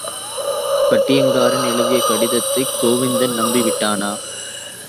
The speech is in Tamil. கட்டியங்காரன் எழுதிய கடிதத்தைக் கோவிந்தன் நம்பி விட்டானா!